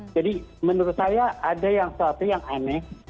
jadi menurut saya ada yang suatu yang aneh